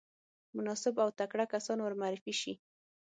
مناسب او تکړه کسان ورمعرفي شي.